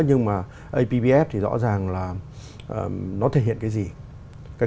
nhưng mà appf thì rõ ràng là nó thể hiện cái gì